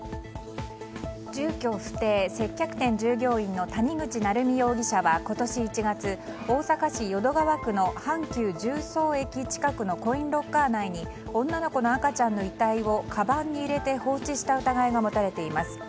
住居不定・接客店従業員の谷口成美容疑者は今年１月大阪市淀川区の阪急十三駅近くのコインロッカー内に女の子の赤ちゃんの遺体をかばんに入れて放置した疑いが持たれています。